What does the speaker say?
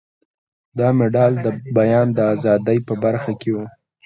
دا مډال د بیان ازادۍ په برخه کې و.